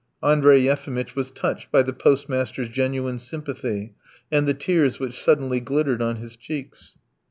Andrey Yefimitch was touched by the postmaster's genuine sympathy and the tears which suddenly glittered on his cheeks.